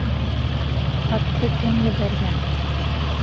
Хатты кем ебәргән?